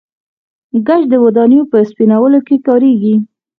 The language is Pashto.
ګچ د ودانیو په سپینولو کې کاریږي.